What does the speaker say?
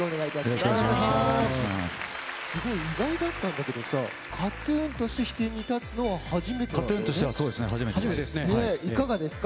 すごい意外だったんだけどさＫＡＴ‐ＴＵＮとして飛天に立つのは初めてですか？